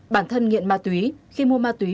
bản thân nghiện ma túy khi mua ma túy